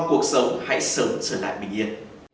cuộc sống hãy sớm trở lại bình yên